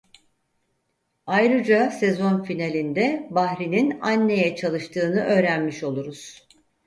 Ayrıca sezon finalinde Bahri'nin Anne'ye çalıştığını öğrenmiş oluruz.